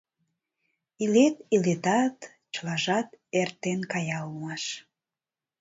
Илет-илетат, чылажат эртен кая улмаш...